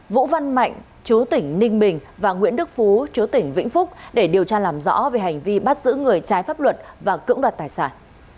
vũ văn mạnh chú tỉnh ninh bình và nguyễn đức phú chú tỉnh vĩnh phúc để điều tra làm rõ về hành vi bắt giữ người trái pháp luật và cưỡng đoạt tài sản